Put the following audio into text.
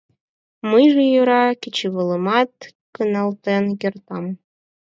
Мыйже, йӧра, кечывалымат каналтен кертам...